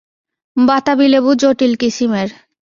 বাতাবী-লেবু জটিল কিসিমের।